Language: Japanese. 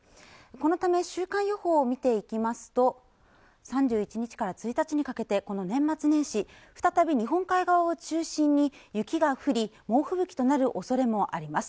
このため週間予報を見ていきますと３１日から１日にかけてこの年末年始再び日本海側を中心に雪が降り猛吹雪となるおそれもあります